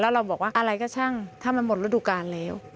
เราบอกว่าอะไรก็ช่างถ้ามันหมดฤดูกาลแล้ว